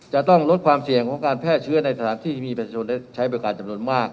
จะต้องลดความเสี่ยงของการแพร่เชื้อในสถานที่ที่มีประชาชนได้ใช้บริการจำนวนมาก